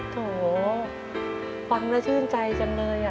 โถฟังระชื่นใจจังเลยอะ